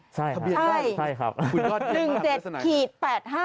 ใช่ครับคุณก็ได้๑๗ขีด๘๕๓๓